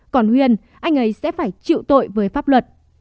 còn huyền anh ấy sẽ phải chịu tội với pháp luật